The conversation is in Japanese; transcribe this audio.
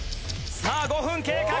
さあ５分経過。